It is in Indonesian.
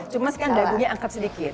cuma sekarang dagunya angkat sedikit